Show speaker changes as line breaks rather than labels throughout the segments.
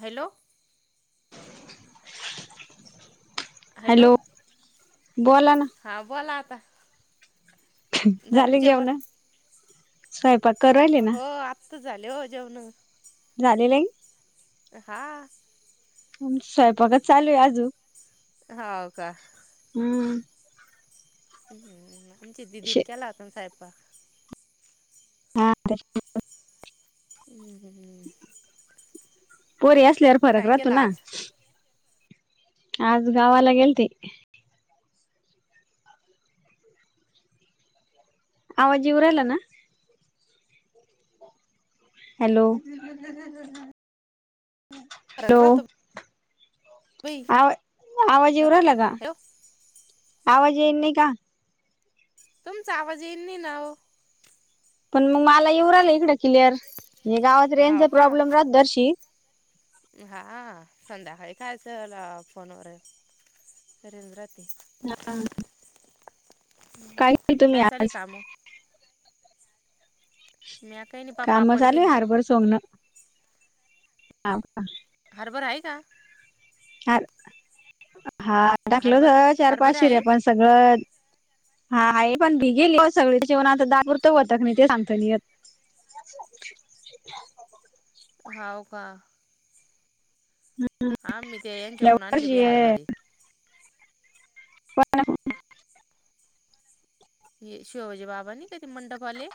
Hello...
hello बोला ना.
हा बोला आता. झालका जेवण,
स्वयंपाक करायले ना
हो आता ऽ. आताचं झाले हो जेवण.
झालेलं नाही.
हा...
स्वयंपाकच चालू आहे, आजुन.
हो का...
हम्म...
हम्म आमचे
शे
दिदीन [unintelligible] साहेपक
हा [unintelligible]
हम्म...
पोरी असल्यावर फरक
काय
राहतो
केला
ना
आज
आज गावाला गेलते. आवाज येवू राहिलाना. हॅलो...
क
हॅलो
रा तुम.
आवा आवाज येऊ राहिला का
हॅलो
आवाज येईल नाही का?
तुमचा आवाज येईन ना ओ.
पण मग मला येऊ राहिला इकडं क्लिअर हे गावात रेंचाचा
हाव का
प्रॉब्लेम राहतो जराशी.
हा संध्याकाळी खायचं ल फोनवर रेंज राहते.
हा, काय केल तुमी
काय चालू
आज.
काम म्या काही नाही पा
काम
पापड
चालले
केले
हारभर सोंगण. हा का...
हरभर आहे का?
ह हा टाकल
हरभर
तर चार, पाच
हरभरे
शेर
आहे
पण सगळं हा आहे पण भी गेली [unintelligible] होतात नाही ते सांगतो
हाव का? आम्ही ते
या
यांच्याकून आणली बाई
वर्षी
हरभरे
वा [inaudible]
हे शिवाजी बाबा नाही ते मंडपवाले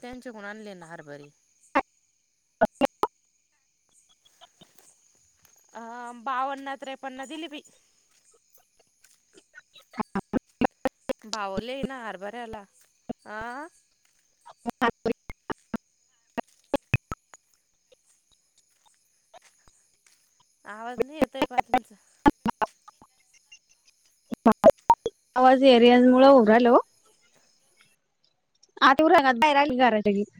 त्यांचे कडून आणले ना हरभरे
[unintelligible]
अ... बावन्न, त्रेपन्न दिली बाई
ह [unintelligible]
पावले ना हरभरयाला
ह [unintelligible]
आवाज नाही येतय बा तुमचा
[unintelligible] आवाज एरियन मुळ [unintelligible] होऊन राहील हो. आता येवून राहिलात काय [unintelligible]